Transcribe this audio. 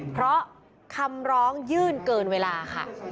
เพราะคำร้องยื่นเกินเวลาค่ะ